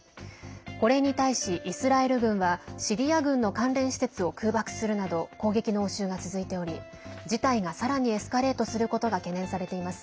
これに対し、イスラエル軍はシリア軍の関連施設を空爆するなど攻撃の応酬が続いており、事態がさらにエスカレートすることが懸念されています。